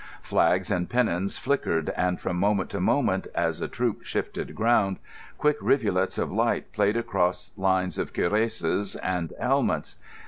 Flags and pennons flickered, and from moment to moment, as a troop shifted ground, quick rivulets of light played across lines of cuirasses and helmets.